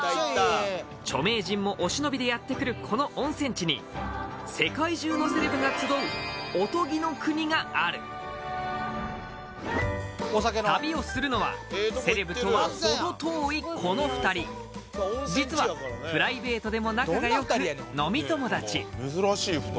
著名人もお忍びでやってくるこの温泉地に世界中のセレブが集うおとぎの国がある旅をするのはセレブとは程遠いこの２人実はプライベートでも仲がよく飲み友達